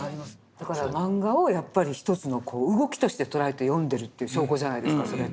だからマンガをやっぱり一つの動きとして捉えて読んでるという証拠じゃないですかそれって。